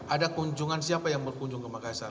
ada kunjungan siapa yang berkunjung ke makassar